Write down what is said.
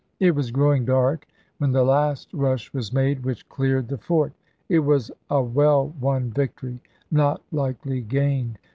It was growing dark when the last rush was made which cleared the fort. It was a well won victory, not lightly gained.